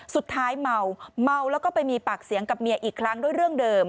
เมาเมาแล้วก็ไปมีปากเสียงกับเมียอีกครั้งด้วยเรื่องเดิม